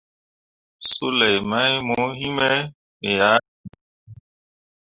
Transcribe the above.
Sulei mai mo yinme, me ah emjolle.